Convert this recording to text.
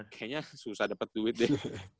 kayaknya susah dapet duit deh